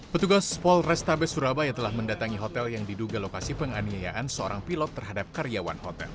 petugas polrestabes surabaya telah mendatangi hotel yang diduga lokasi penganiayaan seorang pilot terhadap karyawan hotel